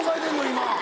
今。